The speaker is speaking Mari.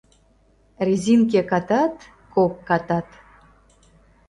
Резинке катат — кок катат